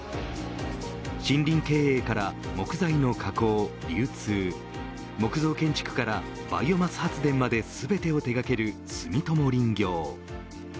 森林経営から木材の加工、流通木造建築からバイオマス発電まで全てを手掛ける住友林業。